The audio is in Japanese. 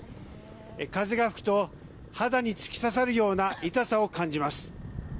風が吹くと肌に突き刺さるような痛さを感じます。